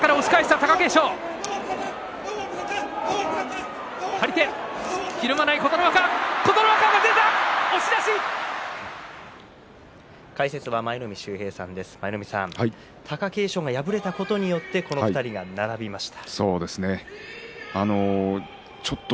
貴景勝が敗れたことによってこの２人が並びました。